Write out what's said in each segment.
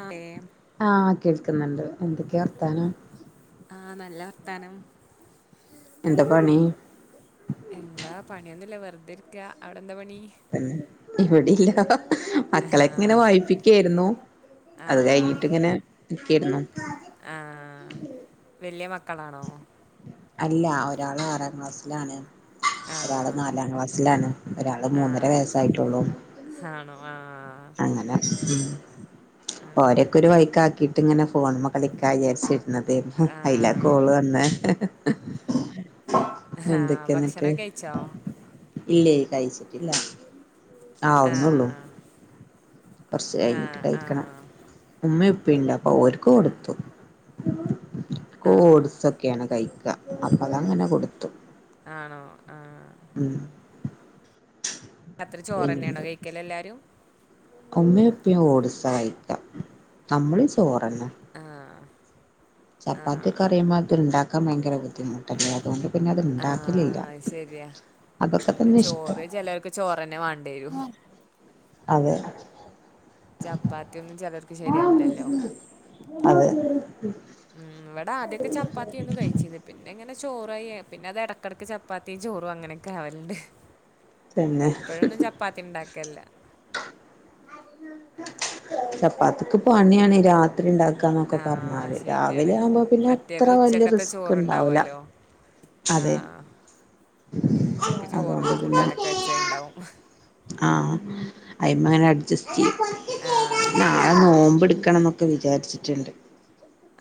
അതെ കേക്കുന്നുണ്ട് എന്തൊക്കെയാ വർത്താനം ആഹ് നല്ല വർത്താനം എന്താ പണി എന്താ പണി ഒന്നുമില്ല വെറുതെ ഇരിക്ക അവിടെ എന്താ പണി ഇവിടെ ഇല്ല മക്കളെ ഇങ്ങനെ ആഹ് വായിപ്പിക്കായിരുന്നു അത് കഴിഞ്ഞിട്ട് ഇങ്ങനെ [unintelligible] ആഹ വല്ല്യ മക്കളാണോ അല്ല ഒരാള് ആറാം ക്ലാസ്സിലാണ് ഒരാള് ആഹ് നാലാം ക്ലാസ്സിലാണ് ഒരാള് മൂന്നര ആഹ് വയസ്സായിട്ടുള്ളു ആണോ ആഹ് അങ്ങനെ ഉം ഓരക്കെ ഒരു വയിക്കാക്കിട്ട് ഇങ്ങനെ ഫോണിമ്മേ കളിക്കാ വിചാരിച്ച് ഇന്നപ്പേക്ക് അയില ആഹ് കോള് വന്നെ ആഹ ഭക്ഷണം കഴിച്ചോ ഇല്ലേ കഴിച്ചിട്ടില്ല ആഹ ആഹ കുറച്ച് കഴിഞ്ഞിട്ട് കഴിക്കണം ഉമ്മേം ഉപ്പേണ്ട് അപ്പൊ ഓരക്ക് കൊടുത്തു ആഹ് ഓഡ്സൊക്കെയാണ് കഴിക്കുക അപ്പൊ അതങ്ങനെ കൊടുത്തു ആണോ ആഹ് ഉം അത്ര ചോറന്നെയണോ കഴിക്കല് എല്ലാരും ഉമ്മൊപ്പേം ഓട് സഹിക്കാം നമ്മള് ചോറന്ന ആഹ് ചപ്പാത്തി ആഹ് കറിയുമാത്റം ഉണ്ടാക്കാൻ ഭയങ്കര ബുദ്ധിമുട്ടല്ലേ അതുകൊണ്ട് പിന്നെ അത് ഇണ്ടാക്കലില്ല ആഹ ശരിയാ അതൊക്കെ പിന്നെ തന്നെ ഇഷ്ടം ചോറ് ചെലർക്ക് ചോറ്ന്നെ വേണം അയ്യോ അതെ ചപ്പാത്തി ഒന്നും ചെലർക്ക് ശരിയാവ് ല്ലല്ലോ അതെ ഉം ഇവിടാദ്യൊക്കെ ചപ്പാത്തിയൊക്കെ കഴിച്ചിന്ന് പിന്നെ എങ്ങനെ ചോറായി പിന്നെ അത് ഏടക്കടക്ക് ചപ്പാത്തിയും ചോറും അങ്ങനൊക്കെ ആവലുണ്ട് പിന്നെ എപ്പോഴൊന്നും ചപ്പാത്തി ഉണ്ടാക്കലില്ല ചപ്പാതിക്ക് പണിയാണ് രാത്രി ഉണ്ടാകുന്ന ന്നൊക്കെ ആ പറഞ്ഞാല് ശരിയാണ് രാവിലെ ആവുമ്പോ പിന്നെ മറ്റേത് അത്ര വല്യ ഉച്ചക്കത്തെ റിസ്ക് ഉണ്ടാവൂല ആഹ് ഉച്ചക്ക് ചോറും അതുകൊണ്ട് പിന്നെ കൂട്ടാനൊക്കെ വെച്ചണ്ടാവും ആഹ് അയ്മ അങ്ങനെ അഡ്ജസ്റ്റ് ചെയ്യും ആ നാളെ നോമ്പ് എടുക്കണംന്നൊക്കെ ഒക്കെ വിചാരിച്ചിട്ടുണ്ട്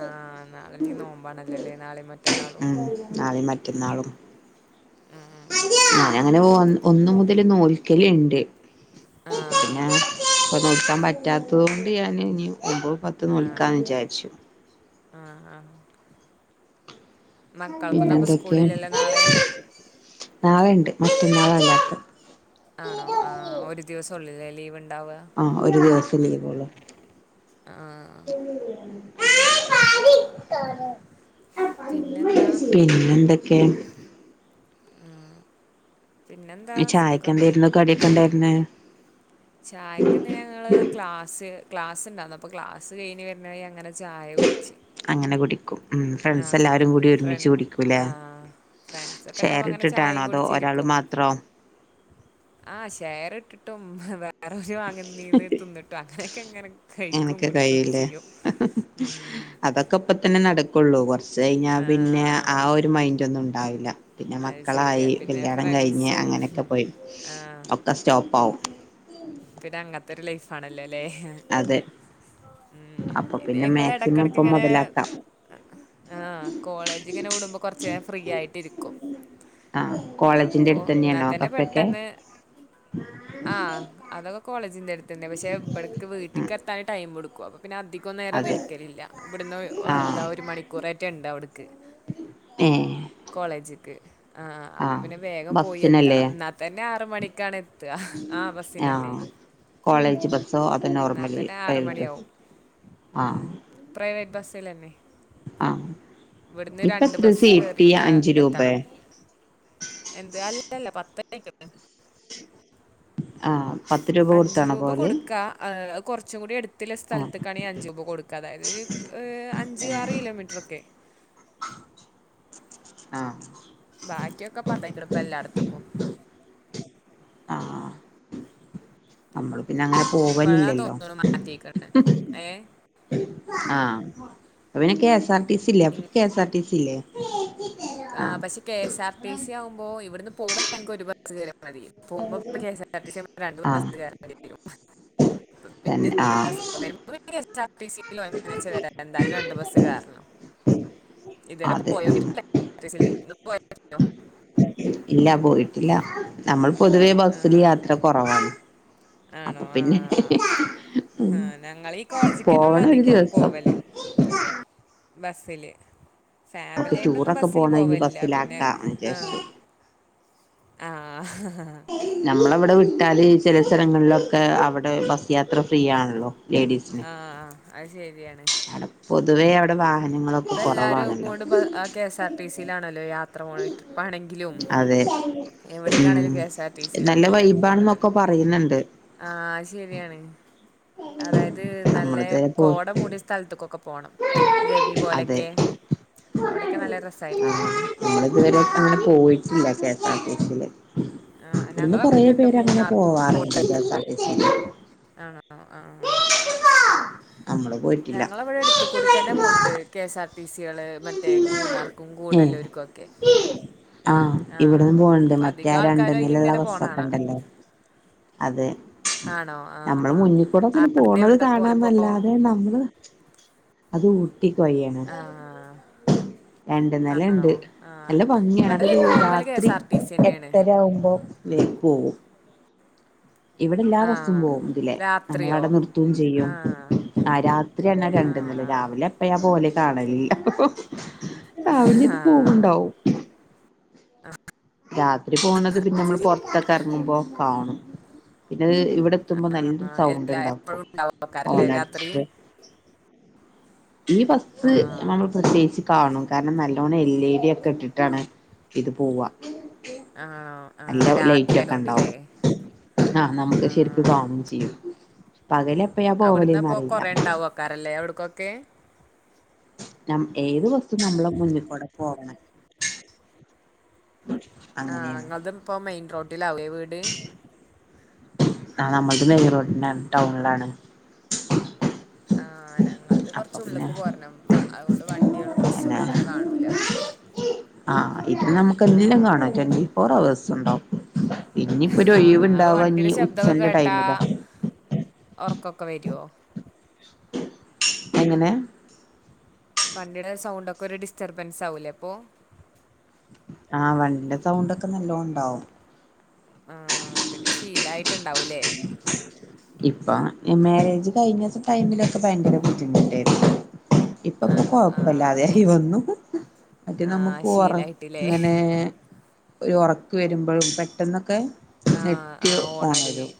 ആഹ് നാളെ നീ നോമ്പാണല്ലല്ലേ നാളേം മറ്റന്നാളും നാളേം മറ്റന്നാളും ഞാനങ്ങനെ ഒന്ന് മുതല് നോൽക്കലിണ്ട് ആ പിന്നെ [unintelligible] ടുക്കാൻ പറ്റാത്തതോണ്ട് ഞാന് ഇനി മ്പോ പത്തുന്നൂൽക്കാന്ന് വിചാര്ച്ചു ആഹ് ആഹ് പിന്നെന്തൊക്കെയാ സ്കൂളിലല്ലോ നാളെ നാളേണ്ട് മറ്റന്നാളാലാക്ക് ആണോ ആഹ് ഒരു ദിവസൊള്ളില്ലേ ലീവ് ഉണ്ടാവുക ആഹ് ഒരു ദിവസെലീവൊള്ളു ആ പിന്നെന്താ പിന്നെന്തെക്കയാ മ് ചായക്കെന്താരുന്നു കടിയൊക്കെണ്ടാരുന്നെ ചായക്കിന്ന് ഞങ്ങള് ക്ലാസ്സ് ക്ലാസുണ്ടാന്ന് അപ്പ ക്ലാസ് കഴിഞ്ഞ് വരണവഴി അങ്ങനൊര് ചായുടിച്ച് അങ്ങനെ കുടിക്കും ഉം ഫ്രണ്ട്സ് എല്ലാരും ആഹ് കൂടി ഫ്ര ഒരുമിച്ച് കുടിക്കൂലേ ആഹ് ഫ്രണ്ട്സൊക്കിണ്ടാവുമ്പങ്ങനെ ചായേം കുടിച്ചിരിക്കും മാത്രോം ആഹ് ഷെയറിട്ടിട് ട്ടും വേറെ വാങ്ങിന്നീന്ന്തിന്ന്ട്ടു അങ്ങനെക്കെ ഇങ്ങനെ എനക്ക് കയൂല്ലേ ഉം. അതൊക്കെ ഇപ്പതന്നെ നടക്കുള്ളൂ കൊറ- ആ, ച്ചഴിഞ്ഞാപിന്നെ ആ ഒരു മൈന്റൊന്നും ഉണ്ടാവില്ല പിന്നെ അത് ശരിയാ മക്കളായി പിന്നെ കല്യാണം കഴിഞ്ഞ് ഫ്രണ്ട്സും അങ്ങനൊക്കെപോയി ആ, ഒക്കെ സ്റ്റോപ്പാവും പിന്നെ അങ്ങത്തൊരു ലൈഫാണല്ലോല്ലേ അപ്പൊപിന്നെ മാക്സിമം ഇപ്പൊ മൊതലാക്കാം ആഹ് കോളേജിങ്ങനെ വിടുമ്പോ കൊറച്ചേരം ഫ്രീയായിട്ടിരിക്കും ആഹ് കോളേജിന്റെ അടുത്തെന്നാണോ കഫെക്കെ ആഹ് അതൊക്കെ കോളേജിന്റെ അടുത്തന്നെ പഷെ ഇവിടക്ക് ഉം വീട്ട്ക്ക് എത്താൻ ടൈംമെടുക്കും പിന്നെ അധികം നേരൊന്നും അതെ ഇരിക്കലില്ല ഇവിടന്ന് ആ എന്താ ഒരു മണിക്കൂറെറ്റെണ്ട് അവിട്ക്ക് ഏ കോളേജ് ആഹ് ആ അപ്പൊപിന്നെ വേഗം പോയി ബസ്സിനല്ലേ എത്തണം എന്നാതന്നെ ആറ്മണിക്കാണ് എത്ത്ക ആ അവസ്- ആഹ് കോളേജ് ബസ്സോ എന്നാ അതൊനോർമലി തന്നെ ആറ് പ്രൈവറ്റ് ബസ് മണിയാവും ആഹ് പ്രൈവേറ്റ് ബസ്സിലന്നെ ആഹ് ഇപ്പെത്ര ബസ് സീട്ടി കയറിയിട്ട് അഞ്ച് രൂപെ എത്തണം എന്ത് അല്ലല്ല പത്തായിക്ണ് ആഹ് അഞ്ചു രൂപ കൊടുക്കാ അഅ് കൊറച്ചും കൂടി എടുത്തില്ല ആ സ്ഥലത്ക്കാണീ അഞ്ചുരൂപ കൊടുക്കാ അതായതൊര് അഞ്ച് ആറ് കിലോമീറ്ററൊക്കെ ആഹ് ബാക്കിയൊക്കെ പത്തായിക് ണ്പ്പ എല്ലാട്ത്തുക്കും ആഹ് നമ്മള് പിന്നെ അങ്ങനെ ഇപ്പഴാ പോവലില്ലല്ലോ തോന്നണു മാറ്റിക്കണ് നേ ആഹ് അവ്നി കെസാർടിസി ല്ലെ പ്പം കേസാർടിസില്ലെ ആഹ് പഷെ കേസ്ആർ ടീസിയാവുമ്പൊ ഇവിട്ന്ന് പോവ്മ്പൊ [unintelligible] ഒരുബസ്കേറിയാമതി. പോവുമ്പം [unintelligible] രണ്ടൂന്ന് ആഹ് ബസ്കേറെണ്ടിവരും തന്നെ ആഹ് പിന്നെതാസുഖം വരുമ്പൊ പിന്നെ കേസ്ആർടിസി [unintelligible] എന്തായാലും രണ്ട് ബസ്സ് കേറണം ഇതരെ അതെ ഉം പോയ്നോക്കിടില്ല സില് [unintelligible] ഇല്ല പോയിട്ടില്ല നമ്മൾ പൊതുവേ ബസ്സില് ആ യാത്രകൊറവാണ് ആണോ ആഹ് ഞങ്ങളീ കോളജിക്കന്നൊള്ളു പോവണം ഒരു അധികോം ദിവസം പോവല് ബസ്സില്. നമുക്ക് ഫാമിലിയായിട്ടൊന്നും ടൂറൊക്കെ ബസ്സില് പോണ ഇനി പോവലില്ല. പിന്നെ ബസ്സിലാക്കാന്ന് ആഹ് വിചാരിച്ചു ആഹ് നമ്മളവിടെ വിട്ടാല് ചില സ്ഥലങ്ങളിലൊക്കെ അവിടെ ബസ് യാത്ര ഫ്രീ ആണല്ലോ ലേഡീസിന് ആഹ് ആ അത് ശരിയാണ് പൊതുവേ അവിടെ വാ ഇപ്പൊ എല്ലാരും അതോണ്ട് ആ കെഎസ് ആർ ടി സിയിലാണല്ലോ യാത്ര പോണെ ട്രിപ്പാണെങ്കിലും അതെ ഉം എവിടക്കാണേലും കെ എസ് ആർ ടി സിയില ഇപ്പ നല്ല എല്ലാരും പോണത് വൈബാണെന്നൊക്കെ പറയുന്നുണ്ട് ആഹ് ശരിയാണ് അതായത് നല്ലെ നമ്മളിതുവരെ പോയി കോട മൂടിയ സ്ഥലത്ത്ക്കൊക്കെ പോണം ഗവി അതെ പോലെയൊക്കെ അവിടെയൊക്കെ നല്ല രസായിരിക്കും ആഹ് നമ്മൾ ഇതുവരെ അങ്ങനെ പോയിട്ടില്ല K S R T C യില് ആ ഇവട്ന്ന് ഞങ്ങളെ കൊറേ ഇവിടുന്നുണ്ട് പേര് അങ്ങനെ മൂന്നാർക്കും പോവാറുണ്ട് കൂടെ K S R T C യില് ആണോ ആഹ് നമ്മള് പോയിട്ടില്ല ഇത് കൂടി തന്നെ പോണ് ണ്ട് കെ എസ് ആർ ടി സികള് മറ്റേ മൂന്നാർക്കും ഏഹ് ഗൂഡല്ലൂർക്കു ഒക്കെ ആഹ് ആ ഇവിടന്നും പോണണ്ട് അപ്പൊ മറ്റേ അധികം രണ്ട് ആൾക്കാരും അതിൽ നിലയുള്ള ഇങ്ങനെ ബസ്സൊക്കെ പോണാണാ ഇണ്ടല്ലേ അതേ ആണോ ആ നമ്മളെ ആ മുന്നിൽക്കൂടെ ആ, അങ്ങനെ അതെ പോണത് എവിടുത്തെ പോലപ്പോ കാണാന്നല്ലാതെ നമ്മള് അത് ഊട്ടിക്ക്‌ വഴിയാണ് ആ [inaudible] രണ്ട് നില ആണോ ഇണ്ട് ആ നല്ല ഭംഗിയാണ് ഇവിടെ അത് തന്നെ ഒരു നോർമൽ കെ രാത്രി എസ് ആർ ടി സി തന്നെയാണ് എട്ടര ആവുമ്പം [unintelligible] പോവും ഇവിടെ എല്ലാ ആ ബസ്സും പോകും ഇതിലെ നമ്മൾ രാത്രിയോ അവിടെ നിർത്തൂം ആ ചെയ്യും ആ രാത്രി ആണ് ആ രണ്ട് നില രാവിലെ എപ്പഴാ പോവല് കാണലില്ല രാവിലിം ഇത് ആ, പോവ്ണ്ടാവും രാത്രി പോണത് പിന്നെ നമ്മൾ ശരി പൊറത്തൊക്കെ ഇറങ്ങുമ്പോ കാണും പിന്നെ ഇവിടെ എത്തുമ്പോ നല്ലൊരു ആഹ് സൗണ്ട് എല്ലാ ഇണ്ടാക്കും എപ്പളും ഉണ്ടാവേക്കാരല്ലേ രാത്രി ഹോണടിച്ചിട്ട് ഈ ബസ് നമ്മൾ ആഹ് പ്രത്യേകിച്ച് കാണും കാരണം നല്ലോണം എൽ ഇ ഡി ഒക്കെ ഇട്ടിട്ടാണ് ഇത് പോവ ആഹ് ആഹ് രാത്രി ലൈറ്റ് ഒക്കെ ആയതോണ്ടില്ലേ ഉണ്ടാവും ആഹ് നമുക്ക് ശെരിക്ക് ആഹ് കാണൂം ചെയ്യും പകല് എപ്പഴാ പോവലേന്ന് അവിടുന്നപ്പോ അറിയില്ല കൊറേ ഉണ്ടാവോക്കാരല്ലേ അവിടക്കൊക്കെ ഏത് ബസ്സും നമ്മളെ മുന്നിൽക്കൂടെ പോകണം ആഹ് അങ്ങനെയാണ് നിങ്ങത് ഇപ്പോ മെയിൻ റോഡിലാവേ വീട് ആഹ് നമ്മടെ മെയിൻറോഡിലാണ് ടൗണിലാണ് ആഹ് ഞങ്ങളത് അപ്പൊ കൊറച്ച് പിന്നെ ഉള്ളിക്ക് പോരണം അതുകൊണ്ട് വണ്ടികളും പിന്നെ ബസ്സൊന്നും അങ്ങനെ കാണൂല ആഹ് ഇതിന് നമുക്ക് എന്തിലും ആഹ് കാണാം ട്വന്റി ഫോർ അവേഴ്സ് ഉണ്ടാവും ഇനിയിപ്പോ ആഹ് ഒഴിവ് അപ്പൊ ഉണ്ടാവാ ഇനി വണ്ടിയുടെ ഉച്ചെന്റെ ടൈമിലാ ഉറക്കൊക്കെ വരുമോ എങ്ങനെ വണ്ടിയുടെ സൗണ്ട് ഒക്കെ ഒരു ഡിസ്റ്റർബൻസ് ആവൂലേ അപ്പൊ ആഹ് വണ്ടീടെ സൗണ്ട് ഒക്കെ നല്ലോണം ഉണ്ടാവും ആഹ് പിന്നെ ശീലം ആയിട്ടുണ്ടാവൂലേ ഇപ്പൊ മാര്യേജ് കഴിഞ്ഞ ടൈമിലൊക്കെ ഭയങ്കര ബുദ്ധിമുട്ടായിരുന്നു ഇപ്പം പിന്നെ ആണോ ആഹ് കൊഴപ്പില്ലാതെയായി വന്നു മറ്റെ നമുക്ക് ആഹ് ഉറക്കം അങ്ങനെ ശീലായിട്ടില്ലേ ഒരു ഉറക്ക് വരുമ്പോഴും പെട്ടെന്നൊക്കെ- ആഹ് നെറ്റ് ആഹ് ഹോണടി ഓണരും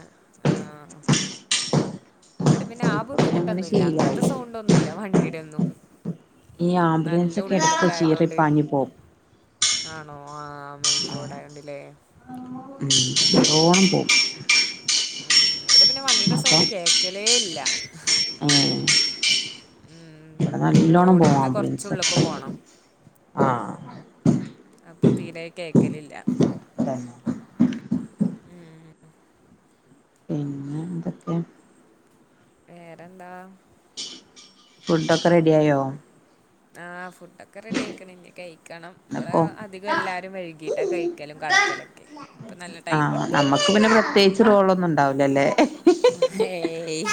ആ ആഹ് ഇവിടെ പിന്നെ ആ ഇപ്പൊ പിന്നെ അങ്ങനെ ബുദ്ധിമുട്ടൊന്നുമല്ല അങ്ങനത്തെ ശീലായി സൗണ്ട് ഒന്നുമല്ല വണ്ടീടെ ഒന്നും ഈ ആംബുലൻസ് നല്ല ഇടയ്ക്കു [unintelligible] ഉള്ളിലേക്കായതുകൊണ്ട് ചീറിപ്പാഞ്ഞു പോവും ആണോ ആമെയിൻ റോഡ് ആയോണ്ടില്ലേ നല്ലോണം പോവും [unintelligible] ഉം ഇവിടെ പിന്നെ വണ്ടിടെ സൗണ്ട് അപ്പം കേക്കലേ ഇല്ല ഏഹ് ഉം, ഇവിടെ നല്ലോണം റോഡിൽ നിന്ന് പോവാം അ ആഹ [unintelligible] അപ്പൊ തീരായി കേക്കലില്ല തന്നെ ഉം പിന്നെ എന്തൊക്കെയ വേറെന്താ ഫുഡൊക്കെ റെഡി ആയോ ആ ഫുഡൊക്കെ റെഡി ആയിക്കണം ഇനി കഴിക്കണം ഇവിടെ ന്നക്കോ അധികം എല്ലാരും വൈകി [unintelligible] ഇവിടെ കഴിക്കലും കെടക്കലും ആ നമക്ക് പിന്നെ പ്രത്യേകിച്ച് റോളൊന്നും ഉണ്ടാവലല്ലേ ഏയ്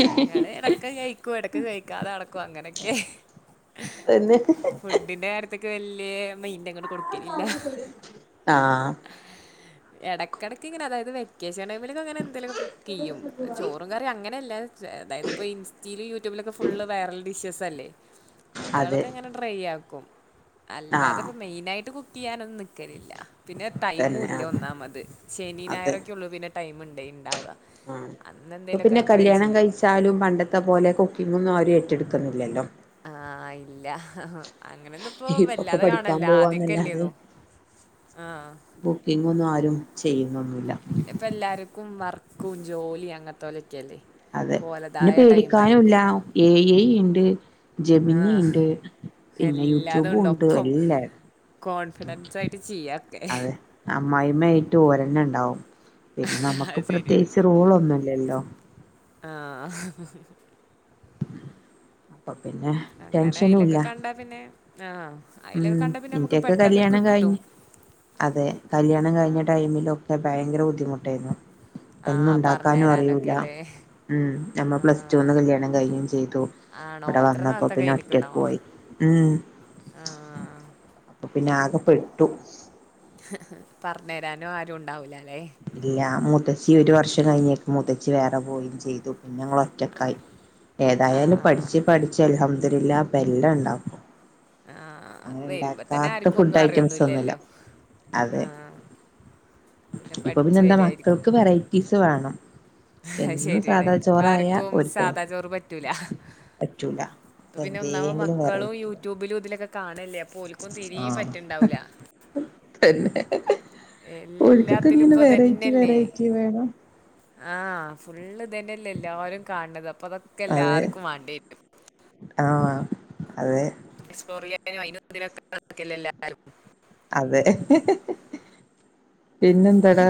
ഞങ്ങളെ ഇടക്കെ കഴ- കഴിക്കും ഇടക്ക് കഴിക്കാതെ കിടക്കും അങ്ങനെയൊക്കെ തന്നെ ഫുഡിന്റെ കാര്യത്തൊക്കെ വലിയ മെയിന്റ ആ ഇടയ്ക്കിടക്ക ഇങ്ങനെ അതായത് വെക്കേഷൻ- ഇടക്കിടക്ക് അങ്ങനെ എന്തെങ്കിലുമൊക്കെ കുക്ക് ചെയ്യും ചോറും കറി അങ്ങന അല്ല ഇൻസ്റ്റയിലും യൂട്യൂബിലും ഫുള്ള്- വൈറൽ ഡിഷസ് അല്ലേ അത് അതെ ഉണ്ടാക്കും അല്ലാതെ ആഹ് മെയിനായിട്ട് കുക്ക് ചെയ്യാനൊന്നും നിക്കലല്ല പിന്നെ ടൈമും തന്നെ ഇല്ല ആഹ് ഒന്നാമത് ശനി ഞായറൊക്കെ ഒക്കെ ഉള്ളൂ പിന്നെ ടൈമ് ഉണ്ട ഉണ്ടാവുക ആ അന്ന് ഇപ്പൊ പിന്നെ എന്തെങ്കിലുമൊക്കെ ട്രൈ കല്യാണം ചെയ്യും കഴിച്ചാലും പണ്ടത്തെ പോലെ കുക്കിംഗ് ഒന്നും ആരും ഏറ്റടു [unintelligible] ഇല്ലാലോ ആ ഇല്ല അങ്ങനെയൊന്നും ഇപ്പോ ഇപ്പൊക്കെ വല്ലാതെ പഠിക്കാൻ കാണല്ല പോവാന്നല്ലാതെ ആദ്യമൊക്കെയുള്ളൂ ആ [unintelligible] ചെയ്യുന്ന പിന്നെ ഇപ്പ എല്ലാർക്കും വർക്കും ജോലിയും അങ്ങനത്തെ പോലെ അതെ പിന്നെ പേടിക്കാനും ഇല്ല ഏ ഐ ഉണ്ട് ആ. ജമിനി ഉണ്ട് പിന്നെ എല്ലാതും യൂട്യൂബും ഉണ്ട് ഒപ്പം. എല്ലാ- കോൺഫിഡൻസ് ആയിട്ട് ചെയ്യുക അതെ അമ്മായിമ്മ ആയിട്ട് ഒരെണ്ണണ്ടാവും പിന്നെ നമുക്ക് അത് പ്രത്യേകിച്ച് റോളൊന്നു ഇല്ലല്ലോ ആഹ് അപ്പൊ പിന്നെ അങ്ങനെ ടെൻഷനുല്ല അയിലൊക്കെ കണ്ടാ പിന്നെ ആ അയിലൊക്കെ ഉം കണ്ടാ പിന്നെ നമുക്ക് ഇന്റൊക്കെ പെട്ടെന്ന് കല്യാണം കിട്ടും. കഴിഞ്ഞ് അതെ കല്യാണം കഴിഞ്ഞ ടൈമിലൊക്കെ ഭയങ്കര ബുദ്ധിമുട്ടായിരുന്നു ആ ഒന്നും ഉണ്ടാക്കാനും അറിയൂല പറഞ്ഞരാനൊക്കെയല്ലേ ഉം നമ്മ പ്ലസ്റ്റൂന് കല്യാണം കഴിയുകയും ചെയ്തു ആണോ ഇവിടെ അത്ര വന്നപ്പോ നേരത്തെ പിന്നെ ഒറ്റക്കുവായി ഉം ആഹ് ആഹ് അപ്പൊ പിന്നെ ആകെപ്പെട്ടു പറഞ്ഞ് തരാനും ആരും ഉണ്ടാവൂല്ല ഇല്ല മൂത്തച്ചി ഒരു വർഷം കഴിഞ്ഞയക്ക് മൂത്തച്ചി വേറെ പോയിം ചെയ്തു പിന്നെ ഞങ്ങള് ഒറ്റ ഒറ്റക്കായി ആ ഏതായാലും പഠിച്ചച്ച് പഠിച്ച് അൽഹംദുലില്ലാ ഇപ്പം എല്ലാം ഇണ്ടാകും ആ അങ്ങനെ വരുമ്പോ ഉണ്ടാക്കാത്ത ഫുഡ് ഐറ്റംസ് ഒന്നുമില്ല അതെ ആഹ് ഇപ്പൊ പിന്നെ എന്താ മക്കൾക്ക് വെറൈറ്റീസ് വേണം അയ് എന്നും ശരിയാണ് സാധാ ഇപ്പ ചോറായ ആർക്കും ഓര്ക്ക് സാദാ ചോറ് പറ്റൂല പറ്റൂല പിന്നെ ഒന്നാമ എന്തെങ്കിലും മക്കളും വെറൈറ്റി യൂട്യൂബിലും ഇതിലൊക്കെ കാണല്ലേ അപ്പോ ഒക്കും തിരിയും ആഹ് പറ്റണ്ടാവൂല തന്നെ ഒൽക്കൊക്കെ എല്ലാത്തിലും ഇങ്ങനെ ഇപ്പോൾ വെറൈറ്റി വെറൈറ്റി വേണം ആഹ് ഫുള്ള് ഇതന്നെയല്ലേ എല്ലാരും കാണണത് അപ്പൊ അതൊക്കെ അതെ എല്ലാർക്കും വാണ്ടിവരും ആഹ് അതെ എക്സ്പലോറിയായും അയ്നും ഇതിനും നിക്കെ അല്ലെ എല്ലാവരും അതെ പിന്നെന്താടാ